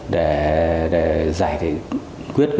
để giải quyết